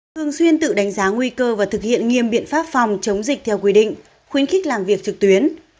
thường xuyên tự đánh giá nguy cơ và thực hiện nghiêm biện pháp phòng chống dịch theo quy định khuyến khích làm việc trực tuyến